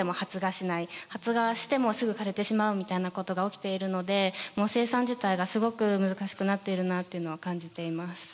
発芽してもすぐ枯れてしまうみたいなことが起きているのでもう生産自体がすごく難しくなっているなっていうのは感じています。